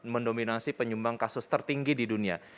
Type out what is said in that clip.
mendominasi penyumbang kasus tertinggi di dunia